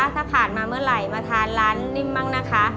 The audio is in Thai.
ถ้าผ่านมาเมื่อไหร่มาทานร้านนิ่มบ้างนะคะ